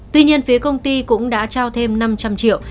tuy nhiên phía công ty cũng đã trao thêm năm trăm linh triệu